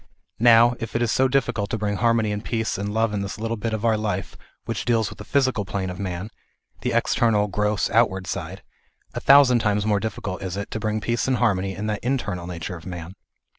Now, if it is difficult to bring harmony and peace and love in this little bit of our life which deals with the physical plane of man, the external, gross, out ward side, a thousand times more difficult is it, to bring peace and harmony in that internal nature of man.